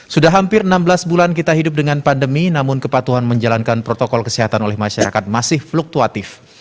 sudah hampir enam belas bulan kita hidup dengan pandemi namun kepatuhan menjalankan protokol kesehatan oleh masyarakat masih fluktuatif